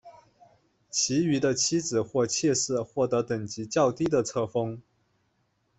其余的妻子或妾室获得等级较低的册封。